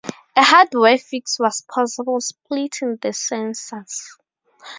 A hardware fix was possible - splitting the sensors.